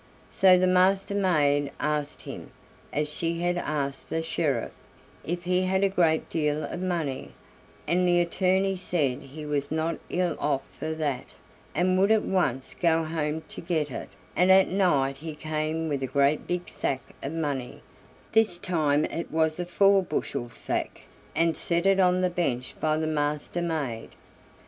So the Master maid asked him, as she had asked the sheriff, if he had a great deal of money, and the attorney said he was not ill off for that, and would at once go home to get it; and at night he came with a great big sack of money this time it was a four bushel sack and set it on the bench by the Master maid.